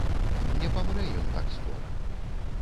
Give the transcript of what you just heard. Не памрэ ён так скора.